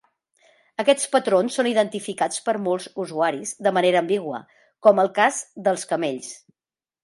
Aquests patrons són identificats per molts usuaris de manera ambigua, com el cas dels camells.